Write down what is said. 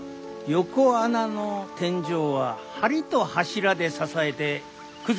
横穴の天井は梁と柱で支えて崩れるのを防ぐ。